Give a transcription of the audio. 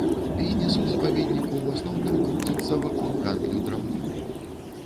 Бізнес у запаведніку ў асноўным круціцца вакол гандлю драўнінай.